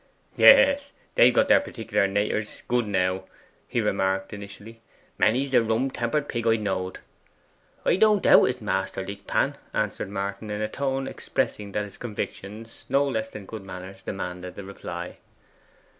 'Yes, they've got their particular naters good now,' he remarked initially. 'Many's the rum tempered pig I've knowed.' 'I don't doubt it, Master Lickpan,' answered Martin, in a tone expressing that his convictions, no less than good manners, demanded the reply.